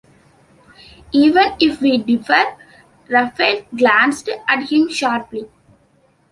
“Even if we differ —” Raphael glanced; at him sharply.